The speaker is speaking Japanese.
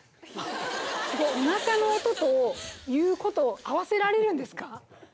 お腹の音と言うこと合わせられるんですか？